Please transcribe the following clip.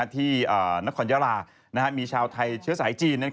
ที่นครยาลามีชาวไทยเชื้อสายจีน